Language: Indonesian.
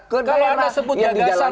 kalau anda sebutnya gagasan